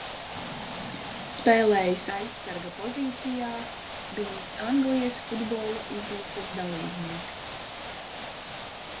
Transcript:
Spēlējis aizsarga pozīcijā, bijis Anglijas futbola izlases dalībnieks.